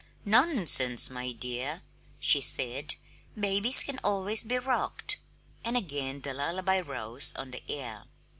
"Nonsense, my dear!" she said; "babies can always be rocked!" And again the lullaby rose on the air.